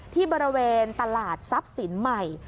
ที่บริเวณตลาดทรัพย์สินใหม่